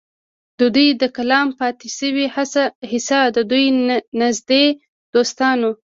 د دوي د کلام پاتې شوې حصه د دوي نزدې دوستانو